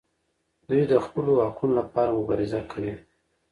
دوی د خپلو حقونو لپاره مبارزه کوي.